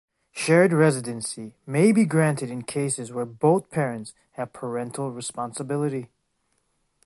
Shared residency may be granted in cases where both parents have parental responsibility.